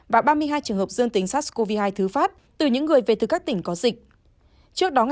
và ba mươi hai trường hợp dương tính sars cov hai thứ phát từ những người về từ các tỉnh có dịch